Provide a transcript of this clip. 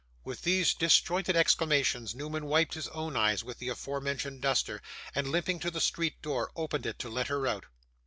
With these disjointed exclamations, Newman wiped his own eyes with the afore mentioned duster, and, limping to the street door, opened it to let her out.